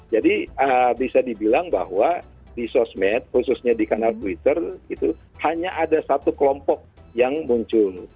jadi bisa dibilang bahwa di sosmed khususnya di kanal twitter itu hanya ada satu kelompok yang muncul